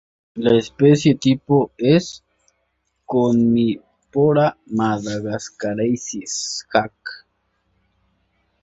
La especie tipo es: "Commiphora madagascariensis" Jacq.